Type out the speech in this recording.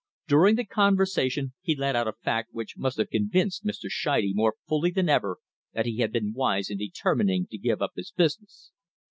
During the conver sation he let out a fact which must have convinced Mr. Scheide more fully than ever that he had been wise in deter mining to give up his business.